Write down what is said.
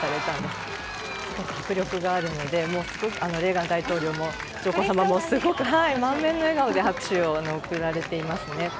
すごい迫力があるのでレーガン大統領も奥様もすごく満面の笑顔で拍手を送られていますね。